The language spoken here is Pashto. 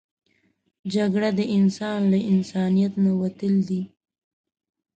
جګړه د انسان له انسانیت نه وتل دي